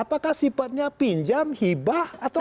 apakah sifatnya pinjam hibah atau